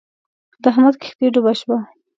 د احمد کښتی ډوبه شوه.